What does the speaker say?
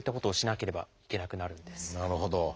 なるほど。